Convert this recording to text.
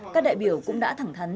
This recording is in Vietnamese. các đại biểu cũng đã thẳng thắn